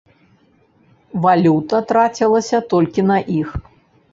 Валюта трацілася толькі на іх.